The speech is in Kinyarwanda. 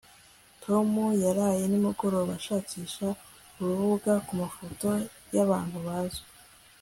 tom yaraye nimugoroba ashakisha urubuga kumafoto yabantu bazwi